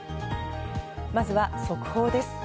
まずは速報です。